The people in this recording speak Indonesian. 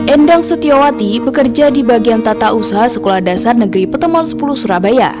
endang setiawati bekerja di bagian tata usaha sekolah dasar negeri petemor sepuluh surabaya